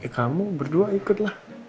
kamu berdua ikutlah